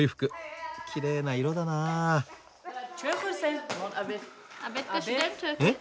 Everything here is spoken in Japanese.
きれいな色だな。え？